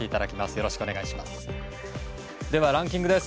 よろしくお願いします。